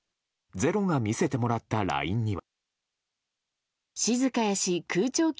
「ｚｅｒｏ」が見せてもらったＬＩＮＥには。